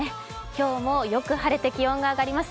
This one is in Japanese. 今日もよく晴れて気温が上がります。